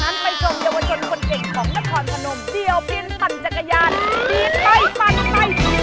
นครพานม